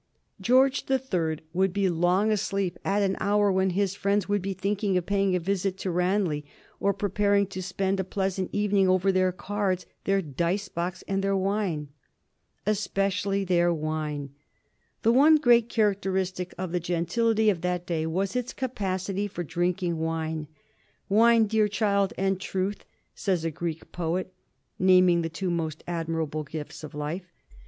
George the Third would be long asleep at an hour when his friends would be thinking of paying a visit to Ranelagh, or preparing to spend a pleasant evening over their cards, their dice box, and their wine. Especially their wine. The one great characteristic of the gentility of the day was its capacity for drinking wine. "Wine, dear child, and truth," says a Greek poet, naming the two most admirable gifts of life.